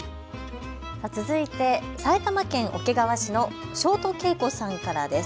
続いて埼玉県桶川市のショートけいこさんからです。